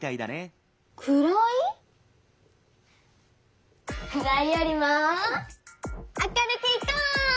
くらい？くらいよりもあかるくいこ！